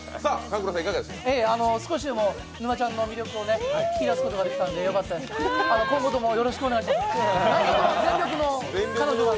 少しでも沼ちゃんの魅力を引き出すことができたんでよかったです、今後ともよろしくお願いします。